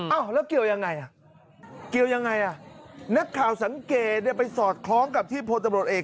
อ้าวแล้วเกี่ยวยังไงนักข่าวสังเกตได้ไปสอดคล้องกับที่พลตำรวจเอก